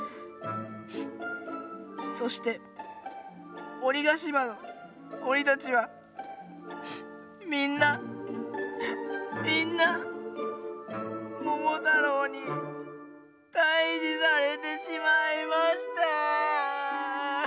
そして鬼がしまの鬼たちはみんなみんなももたろうにたいじされてしまいました」。